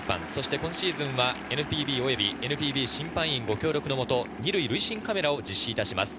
今シーズンはＮＰＢ及びＮＰＢ審判員ご協力のもと２塁塁審カメラを実施いたします。